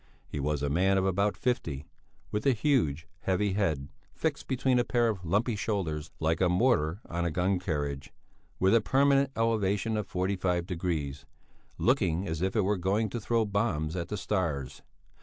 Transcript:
He was a man of about fifty, with a huge, heavy head, fixed between a pair of lumpy shoulders like a mortar on a gun carriage, with a permanent elevation of forty five degrees, looking as if it were going to throw bombs at the stars.